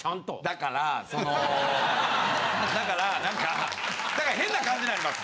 だからそのだからなんか変な感じになります。